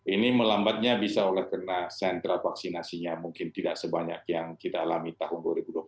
ini melambatnya bisa oleh karena sentra vaksinasinya mungkin tidak sebanyak yang kita alami tahun dua ribu dua puluh satu